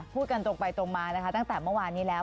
พูดกันตรงไปตรงมานะคะตั้งแต่เมื่อวานนี้แล้ว